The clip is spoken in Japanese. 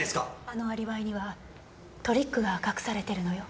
あのアリバイにはトリックが隠されているのよ。